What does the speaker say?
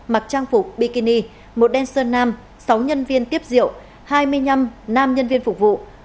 mặc trang phục bikini một đen sơn nam sáu nhân viên tiếp diệu hai mươi năm nam nhân viên phục vụ